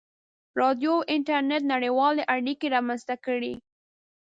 • راډیو او انټرنېټ نړیوالې اړیکې رامنځته کړې.